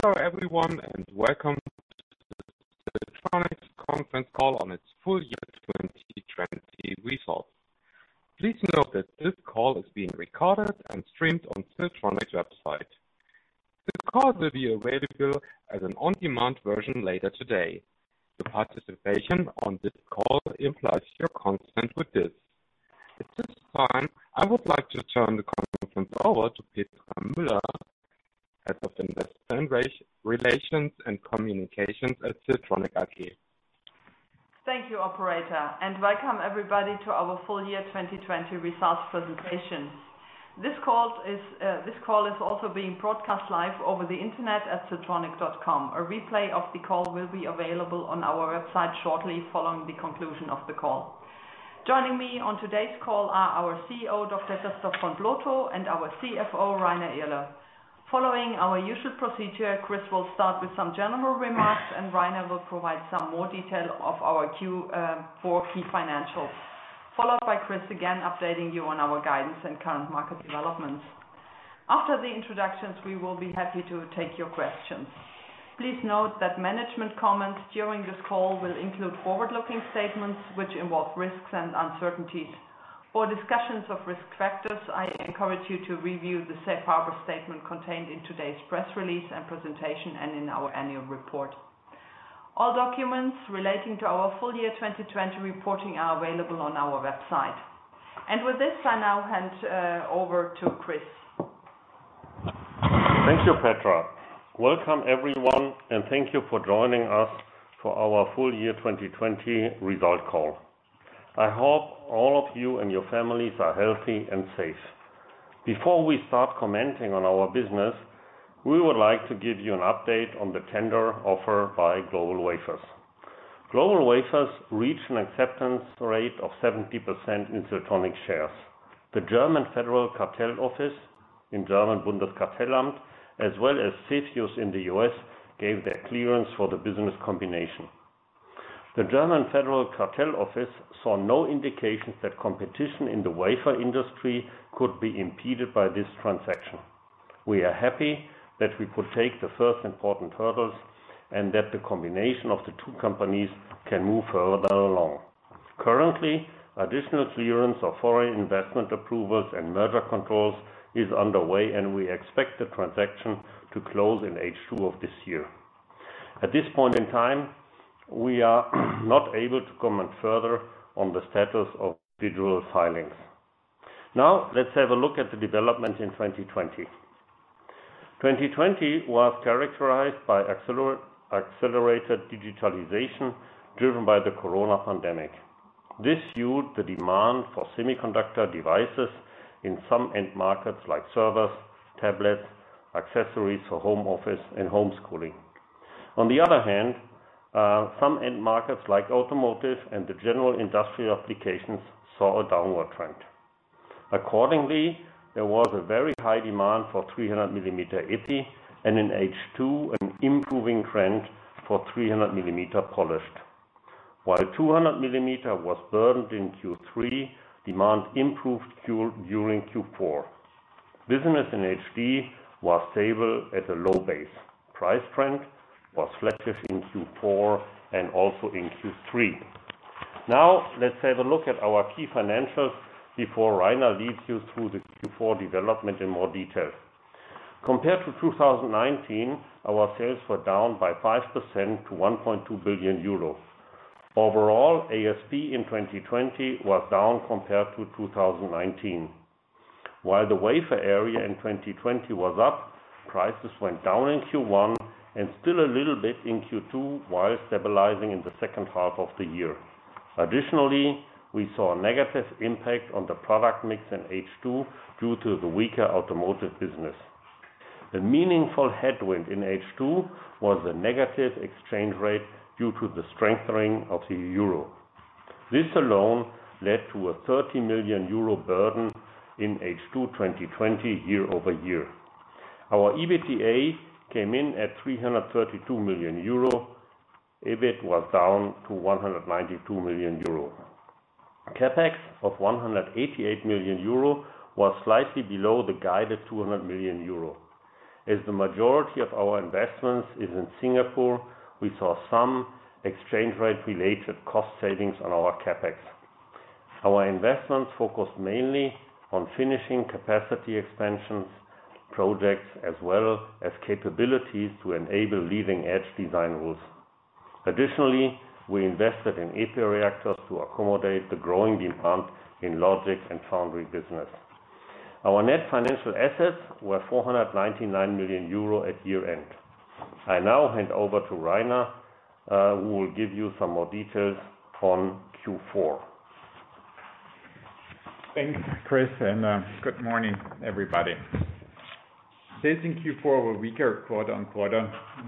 Hello everyone and welcome to the Siltronic Conference call on its Full Year 2020 results. Please note that this call is being recorded and streamed on the Siltronic website. The call will be available as an on-demand version later today. Your participation on this call implies your consent with this. At this time, I would like to turn the conference over to Petra Müller, Head of Investor Relations and Communications at Siltronic AG. Thank you, Operator, and welcome everybody to our Full Year 2020 Results presentation. This call is also being broadcast live over the internet at siltronic.com. A replay of the call will be available on our website shortly following the conclusion of the call. Joining me on today's call are our CEO, Dr. Christoph von Plotho, and our CFO, Rainer Irle. Following our usual procedure, Chris will start with some general remarks, and Rainer will provide some more detail of our Q4 key financials, followed by Chris again updating you on our guidance and current market developments. After the introductions, we will be happy to take your questions. Please note that management comments during this call will include forward-looking statements which involve risks and uncertainties. For discussions of risk factors, I encourage you to review the Safe Harbor Statement contained in today's press release and presentation and in our annual report. All documents relating to our full year 2020 reporting are available on our website. And with this, I now hand over to Chris. Thank you, Petra. Welcome everyone, and thank you for joining us for our full year 2020 result call. I hope all of you and your families are healthy and safe. Before we start commenting on our business, we would like to give you an update on the tender offer by GlobalWafers. GlobalWafers reached an acceptance rate of 70% in Siltronic shares. The German Federal Cartel Office, in German Bundeskartellamt, as well as CFIUS in the U.S., gave their clearance for the business combination. The German Federal Cartel Office saw no indications that competition in the wafer industry could be impeded by this transaction. We are happy that we could take the first important hurdles and that the combination of the two companies can move further along. Currently, additional clearance of foreign investment approvals and merger controls is underway, and we expect the transaction to close in H2 of this year. At this point in time, we are not able to comment further on the status of digital filings. Now, let's have a look at the development in 2020. 2020 was characterized by accelerated digitalization driven by the Corona pandemic. This fueled the demand for semiconductor devices in some end markets like servers, tablets, accessories for home office and homeschooling. On the other hand, some end markets like automotive and the general industrial applications saw a downward trend. Accordingly, there was a very high demand for 300mm Epi, and in H2, an improving trend for 300mm polished. While 200mm was burdened in Q3, demand improved during Q4. Business in SD was stable at a low base. Price trend was flat in Q4 and also in Q3. Now, let's have a look at our key financials before Rainer leads you through the Q4 development in more detail. Compared to 2019, our sales were down by 5% to 1.2 billion euros. Overall, ASP in 2020 was down compared to 2019. While the wafer area in 2020 was up, prices went down in Q1 and still a little bit in Q2 while stabilizing in the second half of the year. Additionally, we saw a negative impact on the product mix in H2 due to the weaker automotive business. A meaningful headwind in H2 was the negative exchange rate due to the strengthening of the euro. This alone led to a 30 million euro burden in H2 2020 year over year. Our EBITDA came in at 332 million euro. EBIT was down to 192 million euro. CapEx of 188 million euro was slightly below the guided 200 million euro. As the majority of our investments is in Singapore, we saw some exchange rate-related cost savings on our CapEx. Our investments focused mainly on finishing capacity expansion projects as well as capabilities to enable leading-edge design rules. Additionally, we invested in Epi reactors to accommodate the growing demand in logic and foundry business. Our net financial assets were 499 million euro at year end. I now hand over to Rainer, who will give you some more details on Q4. Thanks, Chris, and good morning, everybody. Sales in Q4 were weaker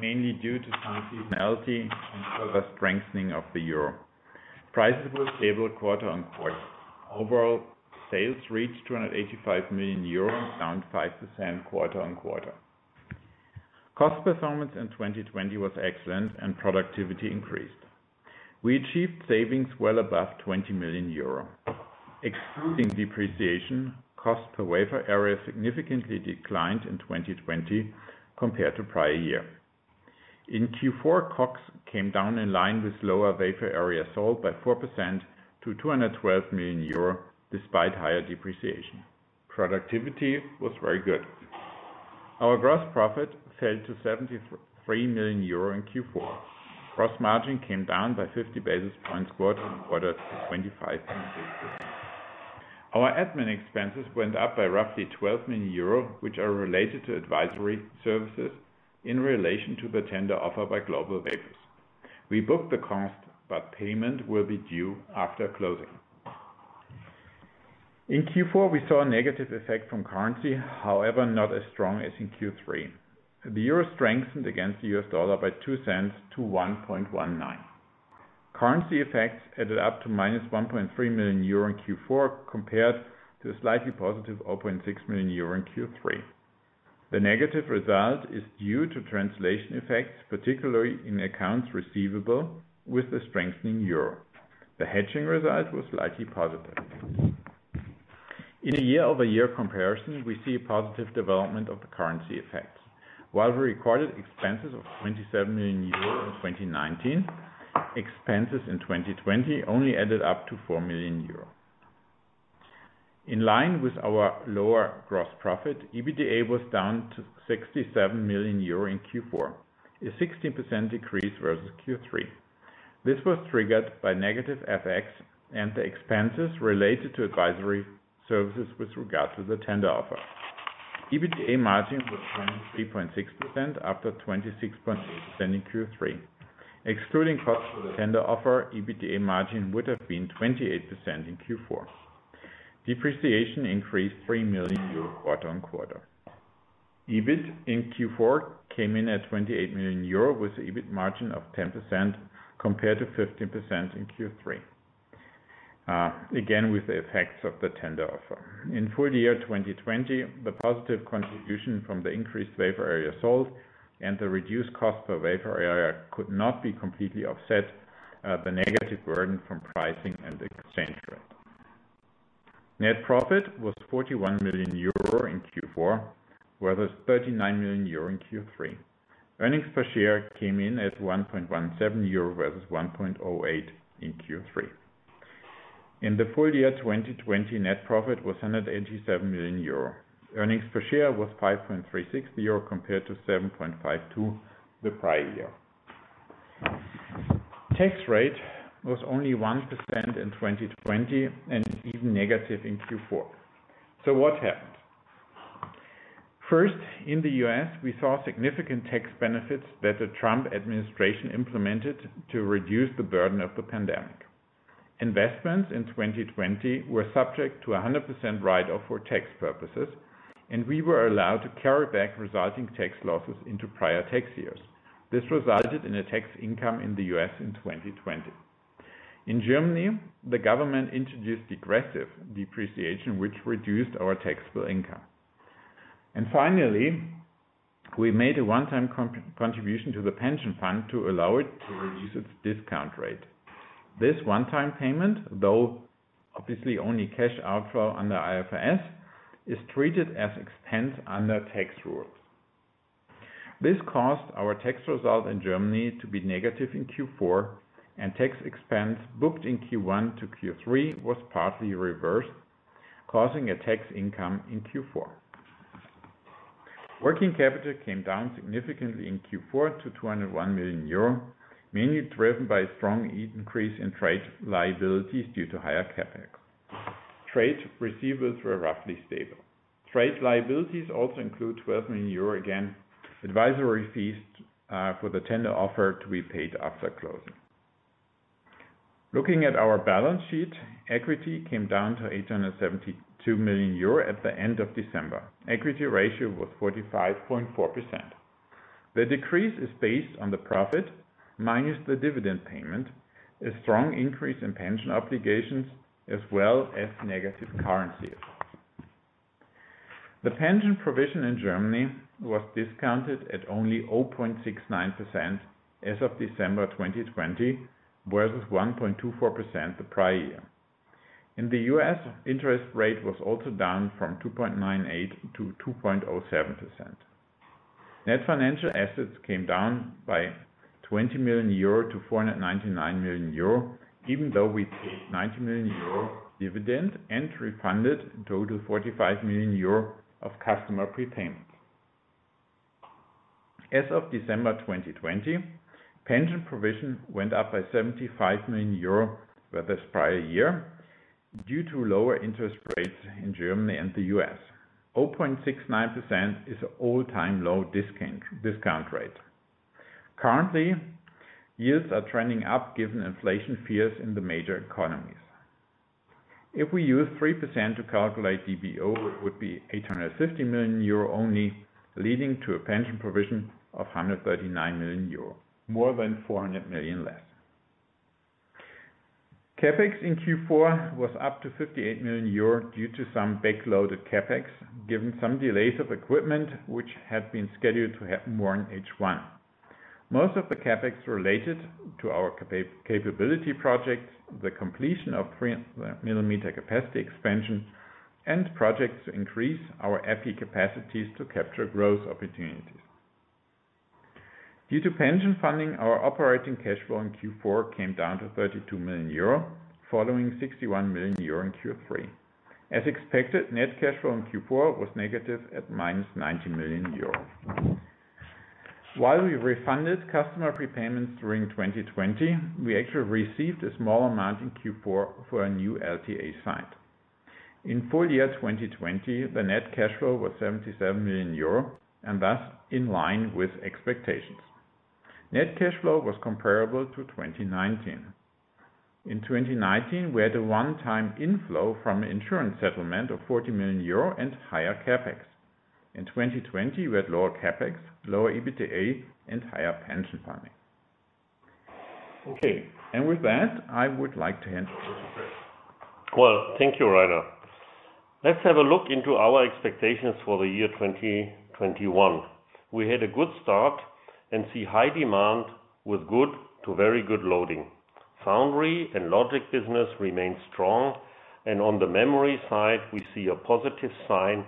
mainly due to some seasonality and further strengthening of the euro. Prices were stable quarter on quarter. Overall, sales reached 285 million euros and down 5% quarter on quarter. Cost performance in 2020 was excellent, and productivity increased. We achieved savings well above 20 million euro. Excluding depreciation, cost per wafer area significantly declined in 2020 compared to prior year. In Q4, COGS came down in line with lower wafer area sold by 4% to 212 million euro despite higher depreciation. Productivity was very good. Our gross profit fell to 73 million euro in Q4. Gross margin came down by 50 basis points quarter on quarter to 25.6%. Our admin expenses went up by roughly 12 million euro, which are related to advisory services in relation to the tender offer by GlobalWafers. We booked the cost, but payment will be due after closing. In Q4, we saw a negative effect from currency, however not as strong as in Q3. The euro strengthened against the U.S. dollar by two cents to 1.19. Currency effects added up to minus 1.3 million euro in Q4 compared to a slightly positive 0.6 million euro in Q3. The negative result is due to translation effects, particularly in accounts receivable with the strengthening euro. The hedging result was slightly positive. In a year-over-year comparison, we see a positive development of the currency effects. While we recorded expenses of 27 million euros in 2019, expenses in 2020 only added up to 4 million euros. In line with our lower gross profit, EBITDA was down to 67 million euro in Q4, a 16% decrease versus Q3. This was triggered by negative FX and the expenses related to advisory services with regard to the tender offer. EBITDA margin was down 3.6% after 26.8% in Q3. Excluding cost for the tender offer, EBITDA margin would have been 28% in Q4. Depreciation increased 3 million euro quarter on quarter. EBIT in Q4 came in at 28 million euro with an EBIT margin of 10% compared to 15% in Q3, again with the effects of the tender offer. In full year 2020, the positive contribution from the increased wafer area sold and the reduced cost per wafer area could not be completely offset the negative burden from pricing and exchange rate. Net profit was 41 million euro in Q4 versus 39 million euro in Q3. Earnings per share came in at 1.17 euro versus 1.08 in Q3. In the full year 2020, net profit was 187 million euro. Earnings per share was 5.36 euro compared to 7.52 EUR the prior year. Tax rate was only 1% in 2020 and even negative in Q4. So what happened? First, in the U.S., we saw significant tax benefits that the Trump administration implemented to reduce the burden of the pandemic. Investments in 2020 were subject to a 100% write-off for tax purposes, and we were allowed to carry back resulting tax losses into prior tax years. This resulted in a tax income in the U.S. in 2020. In Germany, the government introduced degressive depreciation, which reduced our taxable income. And finally, we made a one-time contribution to the pension fund to allow it to reduce its discount rate. This one-time payment, though obviously only cash outflow under IFRS, is treated as expense under tax rules. This caused our tax result in Germany to be negative in Q4, and tax expense booked in Q1-Q3 was partly reversed, causing a tax income in Q4. Working capital came down significantly in Q4 to 201 million euro, mainly driven by a strong increase in trade liabilities due to higher CapEx. Trade receivables were roughly stable. Trade liabilities also include 12 million euro again, advisory fees for the tender offer to be paid after closing. Looking at our balance sheet, equity came down to 872 million euro at the end of December. Equity ratio was 45.4%. The decrease is based on the profit minus the dividend payment, a strong increase in pension obligations, as well as negative currencies. The pension provision in Germany was discounted at only 0.69% as of December 2020 versus 1.24% the prior year. In the U.S., interest rate was also down from 2.98%-2.07%. Net financial assets came down by 20 million-499 million euro, even though we paid 90 million euro dividend and refunded a total of 45 million euro of customer prepayments. As of December 2020, pension provision went up by 75 million euro versus prior year due to lower interest rates in Germany and the U.S. 0.69% is an all-time low discount rate. Currently, yields are trending up given inflation fears in the major economies. If we use 3% to calculate DBO, it would be 850 million euro only, leading to a pension provision of 139 million euro, more than 400 million less. CapEx in Q4 was up to 58 million euro due to some backloaded CapEx, given some delays of equipment, which had been scheduled to happen more in H1. Most of the CapEx related to our capability projects, the completion of 300mm capacity expansion, and projects to increase our FZ capacities to capture growth opportunities. Due to pension funding, our operating cash flow in Q4 came down to 32 million euro, following 61 million euro in Q3. As expected, net cash flow in Q4 was negative at minus 90 million euro. While we refunded customer prepayments during 2020, we actually received a small amount in Q4 for a new LTA signed. In full year 2020, the net cash flow was 77 million euro and thus in line with expectations. Net cash flow was comparable to 2019. In 2019, we had a one-time inflow from insurance settlement of 40 million euro and higher CapEx. In 2020, we had lower CapEx, lower EBITDA, and higher pension funding. Okay, and with that, I would like to hand over to Chris. Thank you, Rainer. Let's have a look into our expectations for the year 2021. We had a good start and see high demand with good to very good loading. Foundry and logic business remain strong, and on the memory side, we see a positive sign,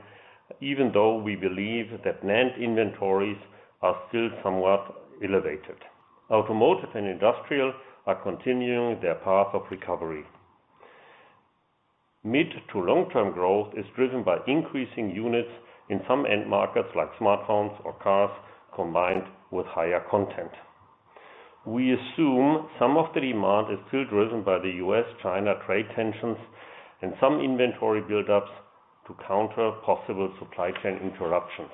even though we believe that NAND inventories are still somewhat elevated. Automotive and industrial are continuing their path of recovery. Mid to long-term growth is driven by increasing units in some end markets like smartphones or cars, combined with higher content. We assume some of the demand is still driven by the U.S.-China trade tensions and some inventory buildups to counter possible supply chain interruptions.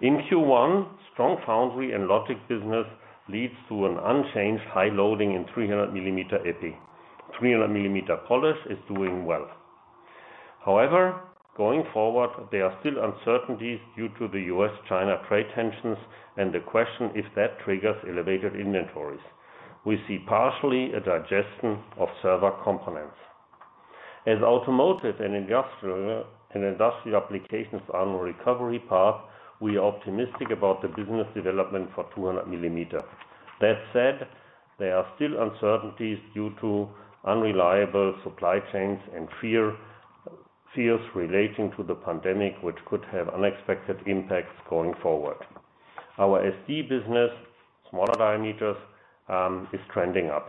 In Q1, strong foundry and logic business leads to an unchanged high loading in 300mm EPI. 300mm polished is doing well. However, going forward, there are still uncertainties due to the U.S.-China trade tensions and the question if that triggers elevated inventories. We see partially a digestion of server components. As automotive and industrial applications are on a recovery path, we are optimistic about the business development for 200mm. That said, there are still uncertainties due to unreliable supply chains and fears relating to the pandemic, which could have unexpected impacts going forward. Our SD business, smaller diameters, is trending up.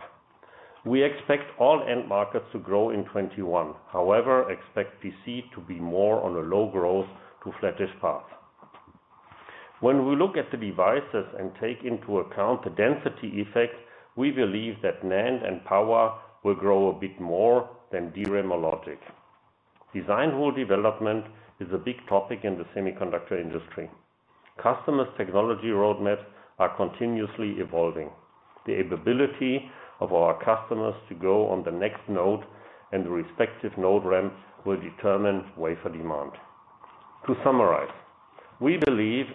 We expect all end markets to grow in 2021. However, expect PC to be more on a low growth to flattish path. When we look at the devices and take into account the density effect, we believe that NAND and power will grow a bit more than DRAM or logic. Design rule development is a big topic in the semiconductor industry. Customers' technology roadmaps are continuously evolving. The ability of our customers to go on the next node and the respective node ramp will determine wafer demand. To summarize, we believe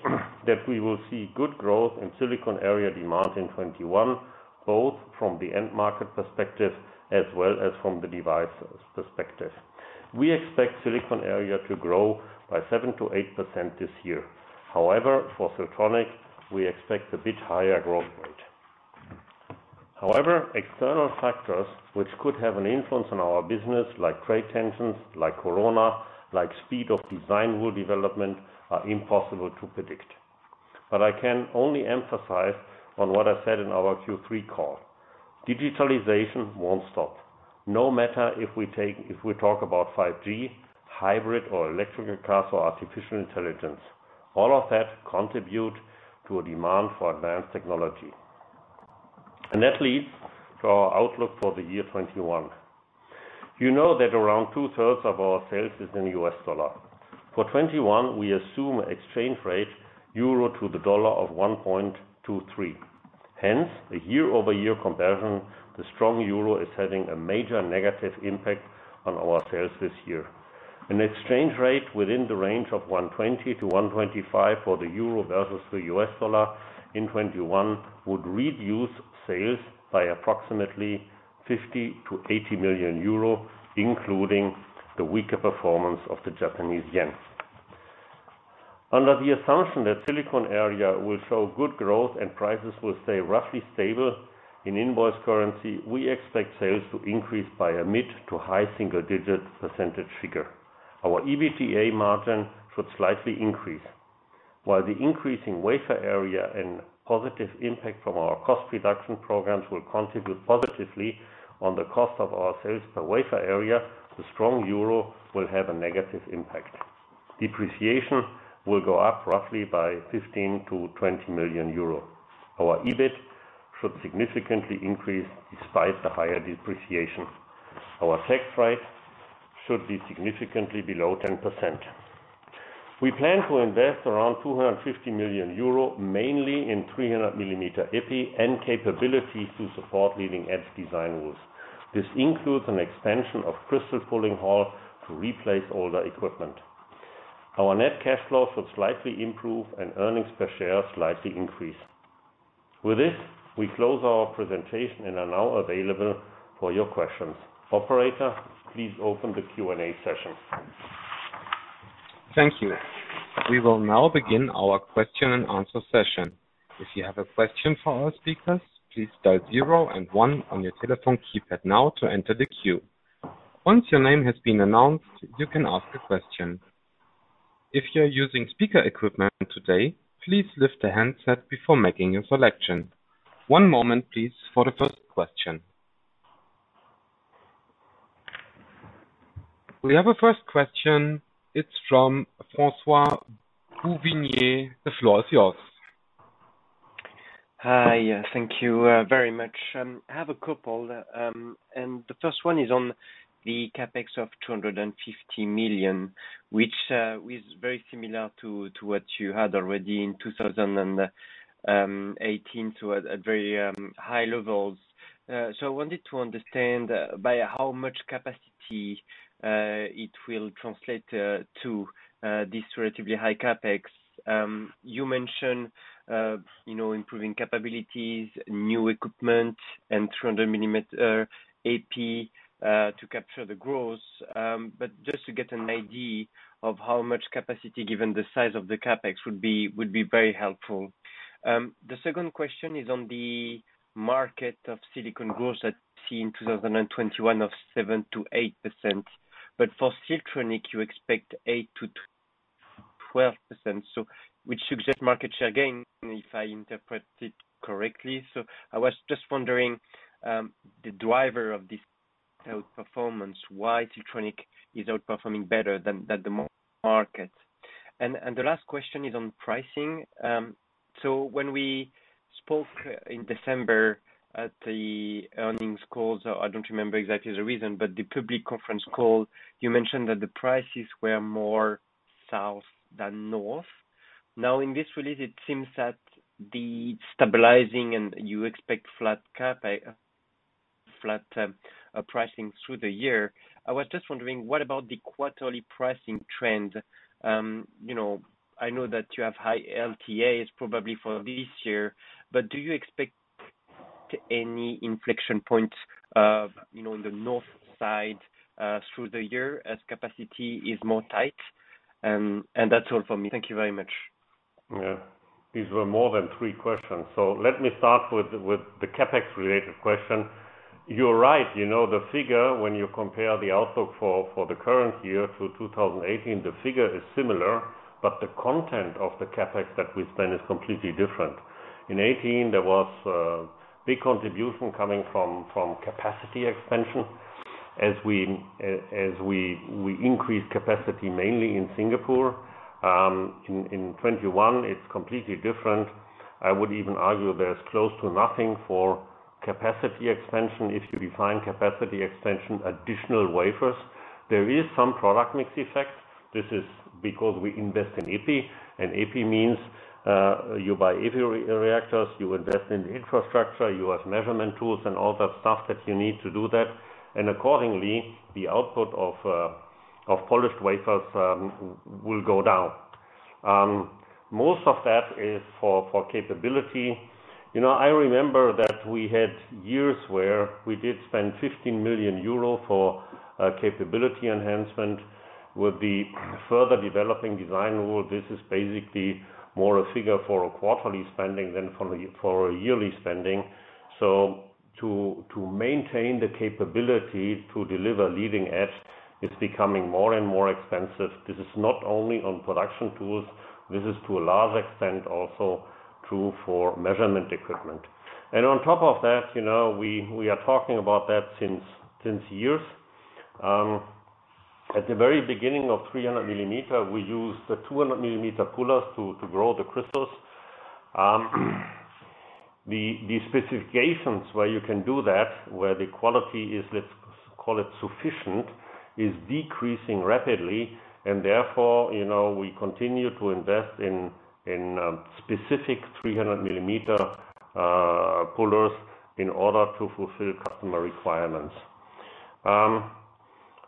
that we will see good growth in silicon area demand in 2021, both from the end market perspective as well as from the device perspective. We expect silicon area to grow by 7%-8% this year. However, for Siltronic, we expect a bit higher growth rate. However, external factors, which could have an influence on our business, like trade tensions, like Corona, like speed of design rule development, are impossible to predict. But I can only emphasize on what I said in our Q3 call. Digitalization won't stop, no matter if we talk about 5G, hybrid or electric cars or artificial intelligence. All of that contributes to a demand for advanced technology. And that leads to our outlook for the year 2021. You know that around two-thirds of our sales is in U.S. dollar. For 2021, we assume an exchange rate euro to the dollar of 1.23. Hence, a year-over-year comparison, the strong euro is having a major negative impact on our sales this year. An exchange rate within the range of 1.20-1.25 for the euro versus the U.S. dollar in 2021 would reduce sales by approximately 50-80 million euro, including the weaker performance of the Japanese yen. Under the assumption that silicon area will show good growth and prices will stay roughly stable in invoice currency, we expect sales to increase by a mid- to high-single-digit percentage figure. Our EBITDA margin should slightly increase. While the increase in wafer area and positive impact from our cost reduction programs will contribute positively on the cost of our sales per wafer area, the strong euro will have a negative impact. Depreciation will go up roughly by 15-20 million euro. Our EBIT should significantly increase despite the higher depreciation. Our tax rate should be significantly below 10%. We plan to invest around 250 million euro mainly in 300mm Epi and capabilities to support leading-edge design rules. This includes an expansion of crystal pulling hall to replace older equipment. Our net cash flow should slightly improve and earnings per share slightly increase. With this, we close our presentation and are now available for your questions. Operator, please open the Q&A session. Thank you. We will now begin our question and answer session. If you have a question for our speakers, please dial 0 and 1 on your telephone keypad now to enter the queue. Once your name has been announced, you can ask a question. If you're using speaker equipment today, please lift the handset before making your selection. One moment, please, for the first question. We have a first question. It's from François Bouvignies. The floor is yours. Hi, thank you very much. I have a couple. And the first one is on the CapEx of 250 million, which is very similar to what you had already in 2018, so at very high levels. So I wanted to understand by how much capacity it will translate to this relatively high CapEx. You mentioned improving capabilities, new equipment, and 300mm Epi to capture the growth. But just to get an idea of how much capacity, given the size of the CapEx, would be very helpful. The second question is on the market of silicon growth that you see in 2021 of 7%-8%. But for Siltronic, you expect 8%-12%, which suggests market share gain, if I interpret it correctly. So I was just wondering the driver of this outperformance, why Siltronic is outperforming better than the market. And the last question is on pricing. So when we spoke in December at the earnings calls, I don't remember exactly the reason, but the public conference call, you mentioned that the prices were more south than north. Now, in this release, it seems that the stabilizing and you expect flat pricing through the year. I was just wondering, what about the quarterly pricing trend? I know that you have high LTAs probably for this year, but do you expect any inflection points in the north side through the year as capacity is more tight? And that's all for me. Thank you very much. Yeah. These were more than three questions. So let me start with the CapEx-related question. You're right. The figure, when you compare the outlook for the current year to 2018, the figure is similar, but the content of the CapEx that we spend is completely different. In 2018, there was a big contribution coming from capacity expansion as we increase capacity mainly in Singapore. In 2021, it's completely different. I would even argue there's close to nothing for capacity expansion. If you define capacity expansion, additional wafers, there is some product mix effect. This is because we invest in Epi, and Epi means you buy Epi reactors, you invest in infrastructure, you have measurement tools, and all that stuff that you need to do that. And accordingly, the output of polished wafers will go down. Most of that is for capability. I remember that we had years where we did spend 15 million euro for capability enhancement. With the further developing design rule, this is basically more a figure for quarterly spending than for yearly spending. So to maintain the capability to deliver leading edge, it's becoming more and more expensive. This is not only on production tools. This is to a large extent also true for measurement equipment. And on top of that, we are talking about that since years. At the very beginning of 300mm, we used the 200mm pullers to grow the crystals. The specifications where you can do that, where the quality is, let's call it sufficient, is decreasing rapidly. And therefore, we continue to invest in specific 300mm pullers in order to fulfill customer requirements.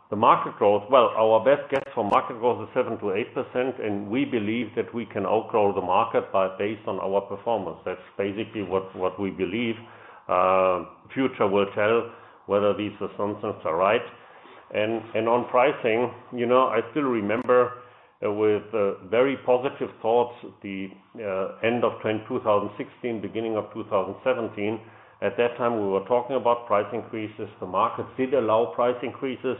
The market growth? Well, our best guess for market growth is 7%-8%, and we believe that we can outgrow the market based on our performance. That's basically what we believe. The future will tell whether these assumptions are right. And on pricing, I still remember with very positive thoughts the end of 2016, beginning of 2017. At that time, we were talking about price increases. The market did allow price increases,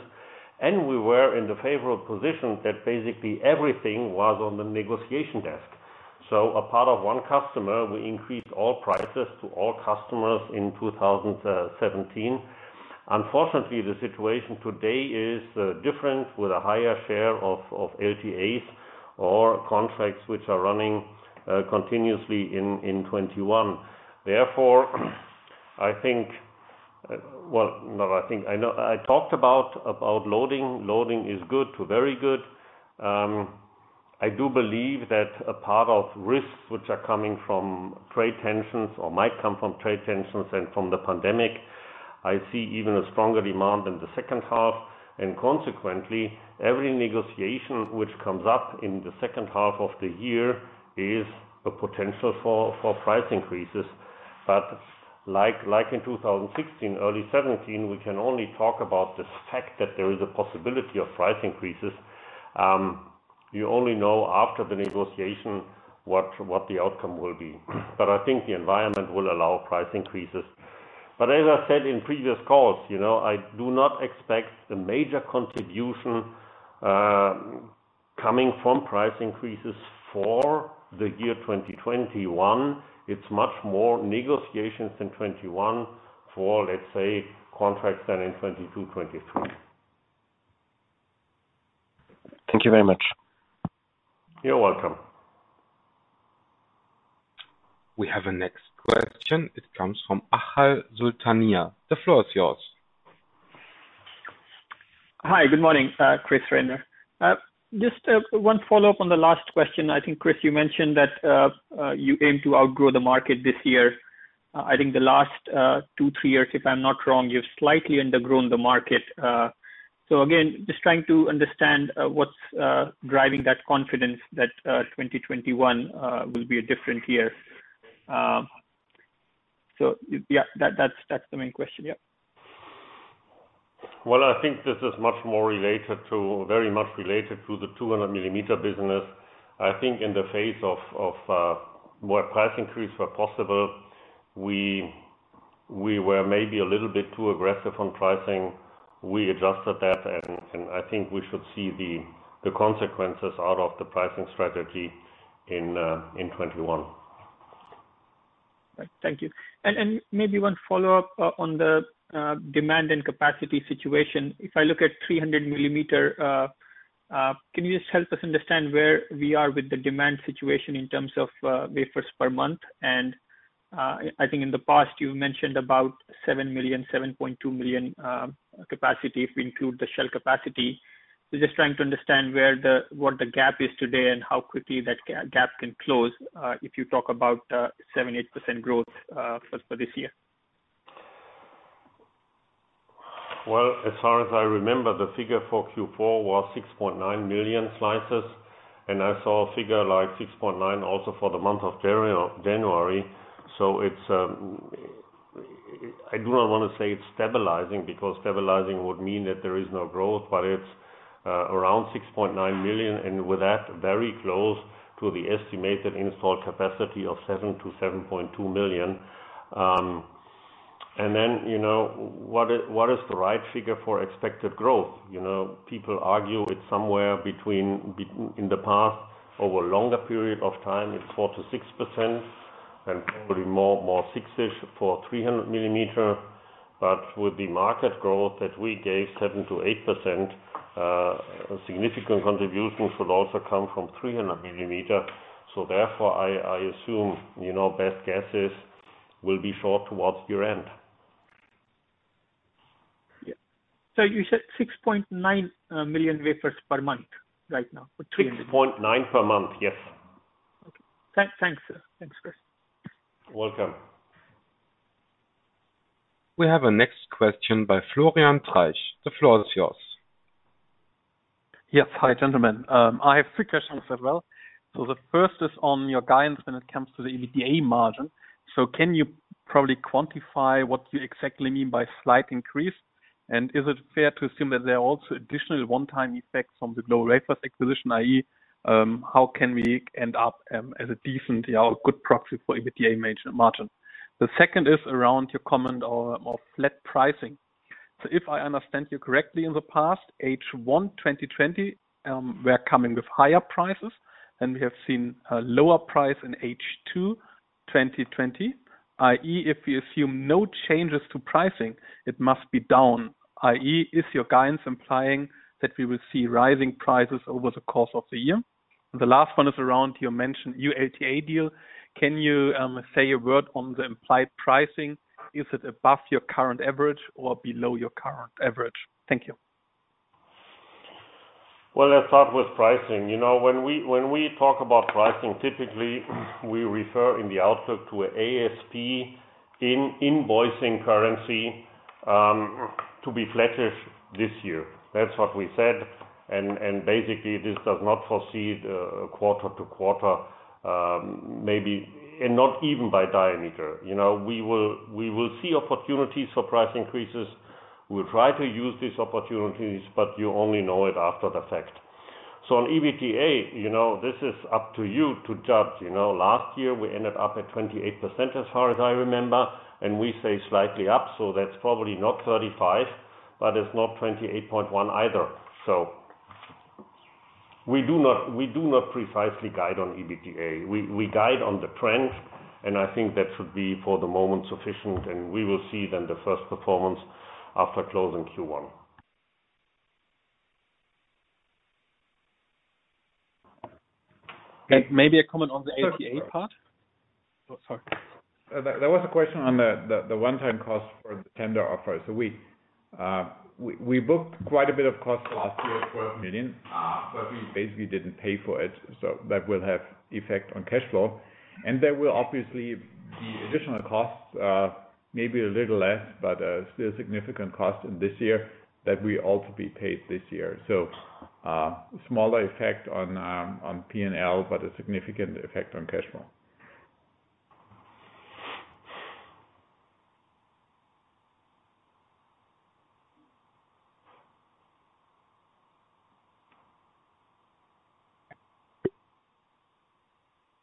and we were in the favorable position that basically everything was on the negotiation desk. So apart from one customer, we increased all prices to all customers in 2017. Unfortunately, the situation today is different with a higher share of LTAs or contracts which are running continuously in 2021. Therefore, I think, well, not I think, I talked about loading. Loading is good to very good. I do believe that a part of risks which are coming from trade tensions or might come from trade tensions and from the pandemic. I see even a stronger demand in the second half. Consequently, every negotiation which comes up in the second half of the year is a potential for price increases. But like in 2016, early 2017, we can only talk about the fact that there is a possibility of price increases. You only know after the negotiation what the outcome will be. But I think the environment will allow price increases. But as I said in previous calls, I do not expect a major contribution coming from price increases for the year 2021. It's much more negotiations in 2021 for, let's say, contracts than in 2022, 2023. Thank you very much. You're welcome. We have a next question. It comes from Achal Sultania. The floor is yours. Hi, good morning, Chris, Rainer. Just one follow-up on the last question. I think, Chris, you mentioned that you aim to outgrow the market this year. I think the last two, three years, if I'm not wrong, you've slightly undergrown the market. So again, just trying to understand what's driving that confidence that 2021 will be a different year. So yeah, that's the main question. Yeah. Well, I think this is much more related to, very much related to the 200mm business. I think in the phase of where price increase were possible, we were maybe a little bit too aggressive on pricing. We adjusted that, and I think we should see the consequences out of the pricing strategy in 2021. Thank you. And maybe one follow-up on the demand and capacity situation. If I look at 300mm, can you just help us understand where we are with the demand situation in terms of wafers per month? And I think in the past, you mentioned about 7 million, 7.2 million capacity if we include the shell capacity. So just trying to understand what the gap is today and how quickly that gap can close if you talk about 7%-8% growth for this year. As far as I remember, the figure for Q4 was 6.9 million slices, and I saw a figure like 6.9 also for the month of January. So I do not want to say it's stabilizing because stabilizing would mean that there is no growth, but it's around 6.9 million, and with that, very close to the estimated installed capacity of 7 million-7.2 million. And then what is the right figure for expected growth? People argue it's somewhere between in the past, over a longer period of time, it's 4%-6%, and probably more 6-ish for 300mm. But with the market growth that we gave, 7%-8%, significant contribution should also come from 300mm. So therefore, I assume best guesses will be short towards year-end. Yeah. So you said 6.9 million wafers per month right now? 6.9 per month, yes. Okay. Thanks, sir. Thanks, Chris. You're welcome. We have a next question by Florian Treisch. The floor is yours. Yes. Hi, gentlemen. I have three questions as well. So the first is on your guidance when it comes to the EBITDA margin. So can you probably quantify what you exactly mean by slight increase? And is it fair to assume that there are also additional one-time effects from the GlobalWafers acquisition, i.e., how can we end up as a decent or good proxy for EBITDA margin? The second is around your comment on flat pricing. So if I understand you correctly, in the past, H1 2020, we're coming with higher prices, and we have seen a lower price in H2 2020, i.e., if we assume no changes to pricing, it must be down. i.e., is your guidance implying that we will see rising prices over the course of the year? The last one is around your mentioned new LTA deal. Can you say a word on the implied pricing? Is it above your current average or below your current average? Thank you. Let's start with pricing. When we talk about pricing, typically, we refer in the outlook to an ASP in invoicing currency to be flattish this year. That's what we said. And basically, this does not foresee quarter to quarter, maybe, and not even by diameter. We will see opportunities for price increases. We'll try to use these opportunities, but you only know it after the fact. So on EBITDA, this is up to you to judge. Last year, we ended up at 28% as far as I remember, and we say slightly up, so that's probably not 35, but it's not 28.1 either. So we do not precisely guide on EBITDA. We guide on the trend, and I think that should be for the moment sufficient, and we will see then the first performance after closing Q1. Maybe a comment on the LTA part? Sorry. There was a question on the one-time cost for the tender offer. So we booked quite a bit of cost last year, 12 million, but we basically didn't pay for it. So that will have effect on cash flow. And there will obviously be additional costs, maybe a little less, but still significant costs in this year that we ought to be paid this year. So smaller effect on P&L, but a significant effect on cash flow.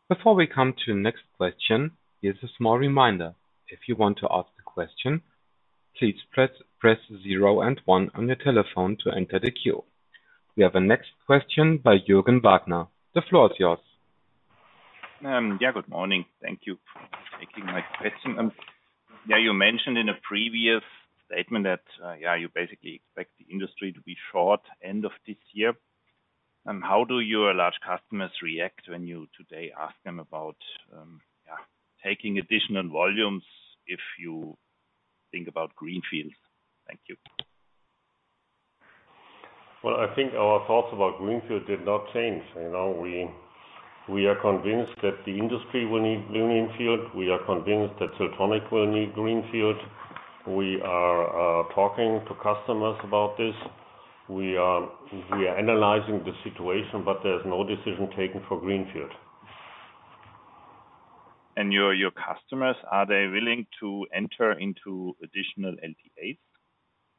Before we come to the next question, here's a small reminder. If you want to ask a question, please press 0 and 1 on your telephone to enter the queue. We have a next question by Jürgen Wagner. The floor is yours. Yeah, good morning. Thank you for taking my question. Yeah, you mentioned in a previous statement that, yeah, you basically expect the industry to be short end of this year. And how do your large customers react when you today ask them about taking additional volumes if you think about greenfields? Thank you. I think our thoughts about greenfield did not change. We are convinced that the industry will need greenfield. We are convinced that Siltronic will need greenfield. We are talking to customers about this. We are analyzing the situation, but there's no decision taken for greenfield. Your customers, are they willing to enter into additional LTAs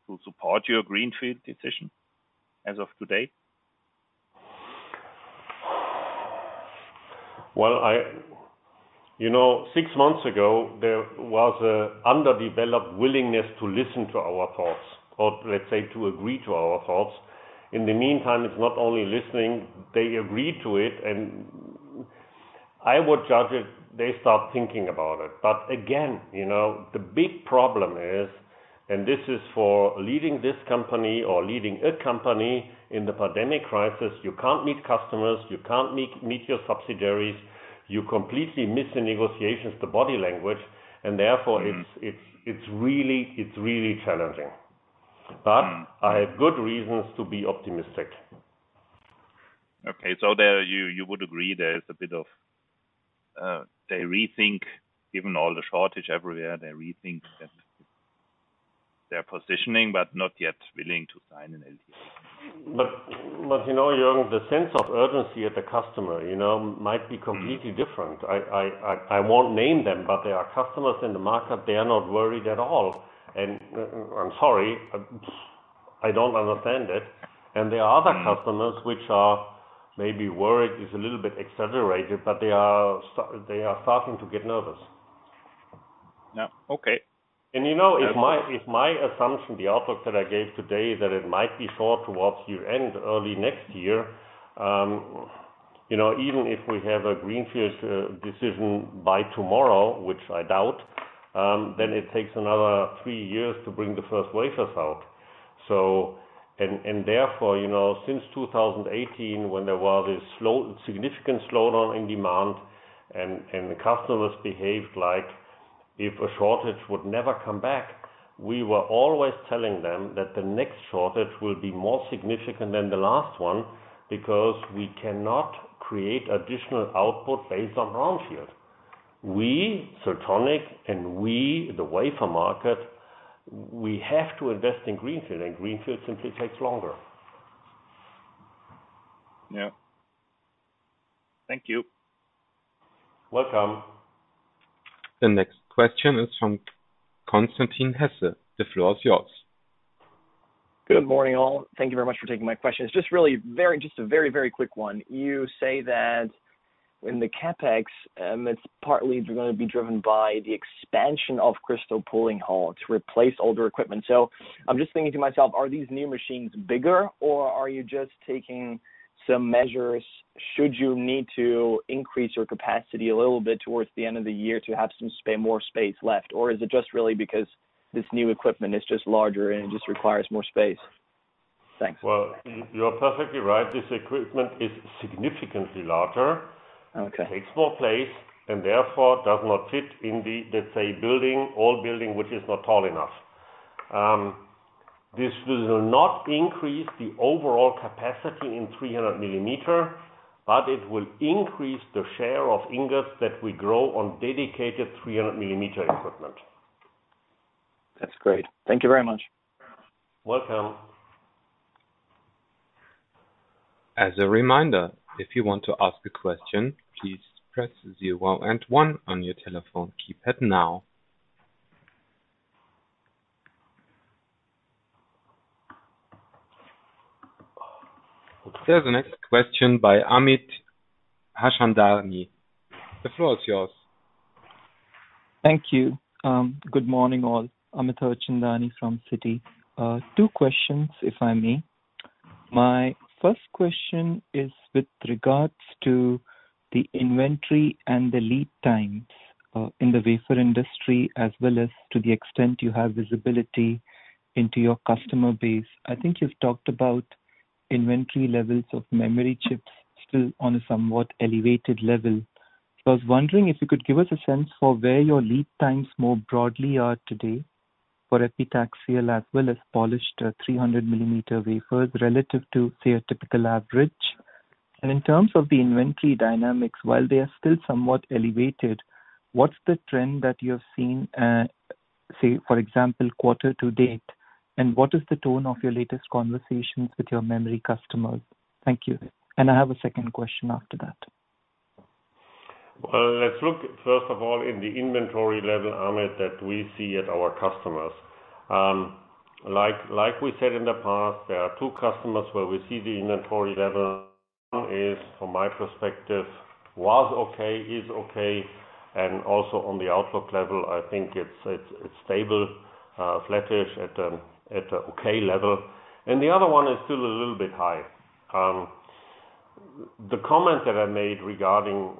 to support your greenfield decision as of today? Six months ago, there was an underdeveloped willingness to listen to our thoughts or, let's say, to agree to our thoughts. In the meantime, it's not only listening. They agreed to it. And I would judge it they start thinking about it. But again, the big problem is, and this is for leading this company or leading a company in the pandemic crisis, you can't meet customers, you can't meet your subsidiaries, you completely miss in negotiations the body language, and therefore, it's really challenging. But I have good reasons to be optimistic. Okay, so you would agree there is a bit of the rethink, given all the shortages everywhere, they rethink their positioning, but not yet willing to sign an LTA. But Jürgen, the sense of urgency at the customer might be completely different. I won't name them, but there are customers in the market. They are not worried at all. And I'm sorry, I don't understand it. And there are other customers which are maybe worried, it's a little bit exaggerated, but they are starting to get nervous. Yeah. Okay. If my assumption, the outlook that I gave today, that it might be short towards year-end early next year, even if we have a greenfield decision by tomorrow, which I doubt, then it takes another three years to bring the first wafers out. Therefore, since 2018, when there was this significant slowdown in demand and the customers behaved like if a shortage would never come back, we were always telling them that the next shortage will be more significant than the last one because we cannot create additional output based on brownfield. We, Siltronic, and we, the wafer market, we have to invest in greenfield, and greenfield simply takes longer. Yeah. Thank you. Welcome. The next question is from Constantin Hesse. The floor is yours. Good morning, all. Thank you very much for taking my question. It's just really just a very, very quick one. You say that in the CapEx, it's partly going to be driven by the expansion of Crystal Pulling Hall to replace older equipment. So I'm just thinking to myself, are these new machines bigger, or are you just taking some measures should you need to increase your capacity a little bit towards the end of the year to have some more space left? Or is it just really because this new equipment is just larger and it just requires more space? Thanks. You're perfectly right. This equipment is significantly larger. It takes more space and therefore does not fit in the, let's say, old building, which is not tall enough. This will not increase the overall capacity in 300mm, but it will increase the share of ingots that we grow on dedicated 300mm equipment. That's great. Thank you very much. Welcome. As a reminder, if you want to ask a question, please press 0 and 1 on your telephone keypad now. There's a next question by Amit Harchandani. The floor is yours. Thank you. Good morning, all. Amit Harchandani from Citi. Two questions, if I may. My first question is with regards to the inventory and the lead times in the wafer industry, as well as to the extent you have visibility into your customer base. I think you've talked about inventory levels of memory chips still on a somewhat elevated level. I was wondering if you could give us a sense for where your lead times more broadly are today for epitaxial as well as polished 300mm wafers relative to, say, a typical average. And in terms of the inventory dynamics, while they are still somewhat elevated, what's the trend that you have seen, say, for example, quarter to date? And what is the tone of your latest conversations with your memory customers? Thank you. And I have a second question after that. Let's look, first of all, in the inventory level, Amit, that we see at our customers. Like we said in the past, there are two customers where we see the inventory level. One is, from my perspective, was okay, is okay. And also on the outlook level, I think it's stable, flattish at an okay level. And the other one is still a little bit high. The comment that I made regarding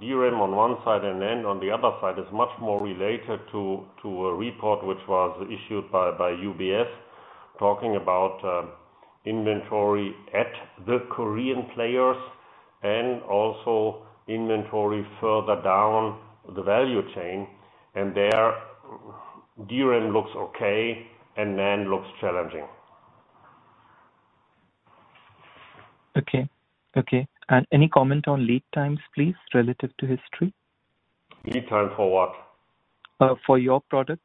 DRAM on one side and then on the other side is much more related to a report which was issued by UBS talking about inventory at the Korean players and also inventory further down the value chain. And there, DRAM looks okay and then looks challenging. Okay. Okay. And any comment on lead times, please, relative to history? Lead time for what? For your products,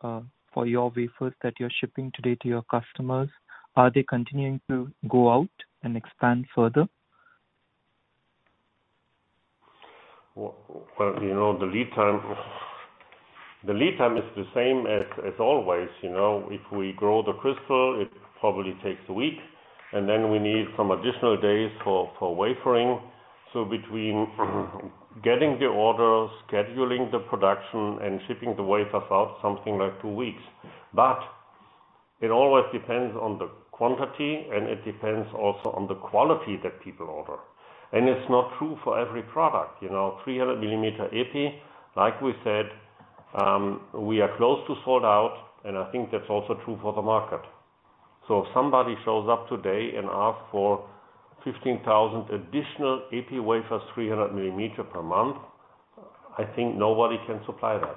for your wafers that you're shipping today to your customers, are they continuing to go out and expand further? The lead time is the same as always. If we grow the crystal, it probably takes a week, and then we need some additional days for wafering. Between getting the order, scheduling the production, and shipping the wafers out, something like two weeks. It always depends on the quantity, and it depends also on the quality that people order. It's not true for every product. 300mm Epi, like we said, we are close to sold out, and I think that's also true for the market. If somebody shows up today and asks for 15,000 additional Epi wafers 300mm per month, I think nobody can supply that.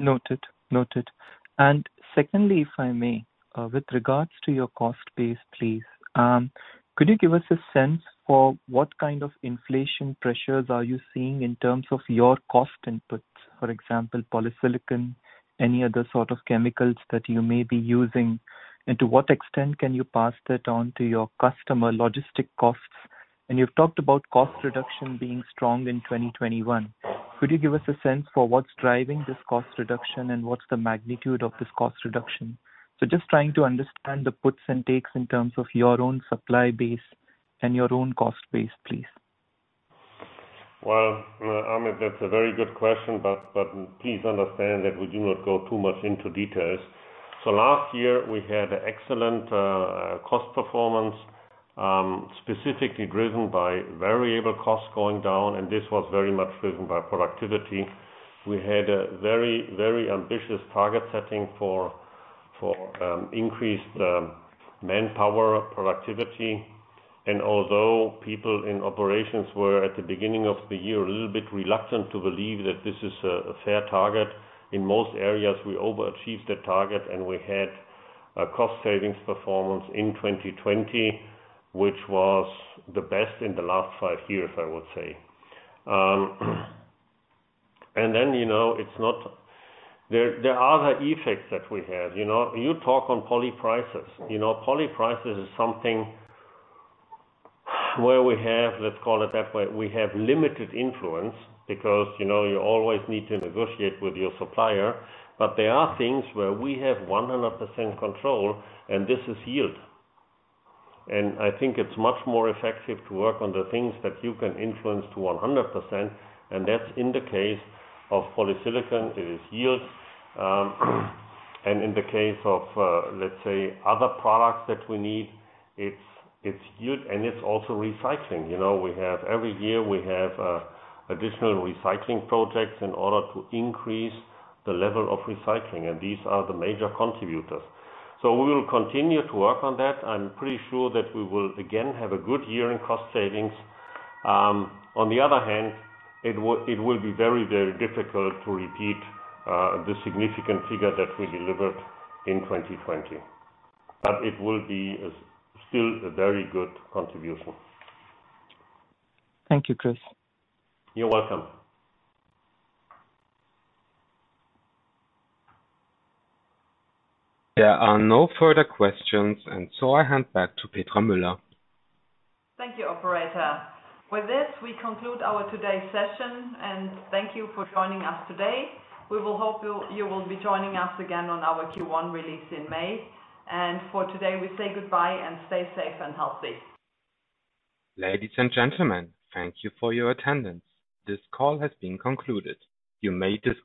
Noted. Noted. And secondly, if I may, with regards to your cost base, please, could you give us a sense for what kind of inflation pressures are you seeing in terms of your cost inputs, for example, polysilicon, any other sort of chemicals that you may be using, and to what extent can you pass that on to your customer logistic costs? And you've talked about cost reduction being strong in 2021. Could you give us a sense for what's driving this cost reduction and what's the magnitude of this cost reduction? So just trying to understand the puts and takes in terms of your own supply base and your own cost base, please. Amit, that's a very good question, but please understand that we do not go too much into details. Last year, we had excellent cost performance, specifically driven by variable costs going down, and this was very much driven by productivity. We had a very, very ambitious target setting for increased manpower productivity. Although people in operations were at the beginning of the year a little bit reluctant to believe that this is a fair target, in most areas, we overachieved that target, and we had a cost savings performance in 2020, which was the best in the last five years, I would say. Then, it's not. There are other effects that we have. You talk on poly prices. Poly prices is something where we have, let's call it that way, we have limited influence because you always need to negotiate with your supplier. But there are things where we have 100% control, and this is yield. And I think it is much more effective to work on the things that you can influence to 100%. And that is in the case of polysilicon. It is yield. And in the case of, let's say, other products that we need, it is yield, and it is also recycling. Every year, we have additional recycling projects in order to increase the level of recycling. And these are the major contributors. So we will continue to work on that. I am pretty sure that we will again have a good year in cost savings. On the other hand, it will be very, very difficult to repeat the significant figure that we delivered in 2020. But it will be still a very good contribution. Thank you, Chris. You're welcome. There are no further questions, and so I hand back to Petra Müller. Thank you, operator. With this, we conclude our today's session, and thank you for joining us today. We will hope you will be joining us again on our Q1 release in May, and for today, we say goodbye and stay safe and healthy. Ladies and gentlemen, thank you for your attendance. This call has been concluded. You may disconnect.